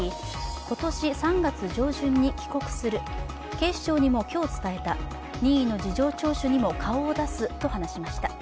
今年３月上旬に帰国する、警視庁にも今日伝えた、任意の事情聴取にも顔を出すと話しました。